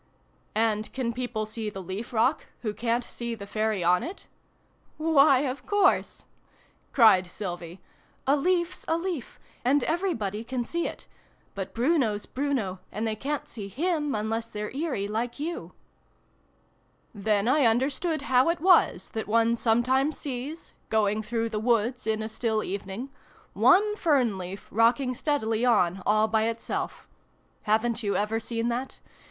" And can people see the leaf rock, who ca'n't see the Fairy on it ?"" Why, of course !" cried Sylvie. " A leaf's a leaf, and everybody can see it ; but Bruno's Bruno, and they ca'n't see him, unless they're eerie, like you." 264 SYLVIE AND BRUNO CONCLUDED. Then I understood how it was that one sometimes sees going through the woods in a still evening one fern leaf rocking steadily on, all by itself. Haven't you ever seen that